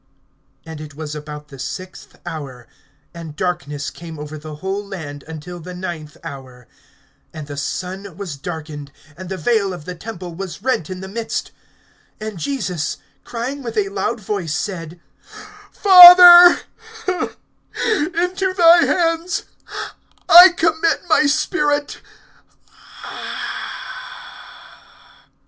(44)And it was about the sixth hour; and darkness came over the whole land until the ninth hour. (45)And the sun was darkened; and the vail of the temple was rent in the midst. (46)And Jesus, crying with a loud voice, said: Father, into thy hands I commit my spirit.